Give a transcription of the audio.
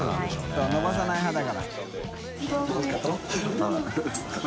修伸ばさない派だから。